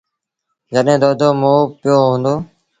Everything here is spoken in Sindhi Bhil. جڏهيݩ دودو مئو پيو هُݩدو۔